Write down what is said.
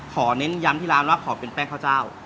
เน้นย้ำที่ร้านว่าขอเป็นแป้งข้าวเจ้า